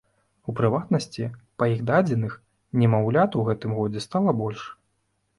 У прыватнасці, па іх дадзеных, немаўлят у гэтым годзе стала больш.